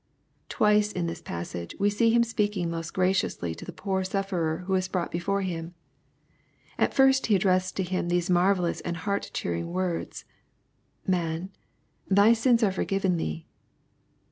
Twice in this passage we see Him speaking most graciously to the poor sufferer who was brought before Him. At first he addressed to him those marvellous and heart cheering words, " Man, thy sins are forgiven thee."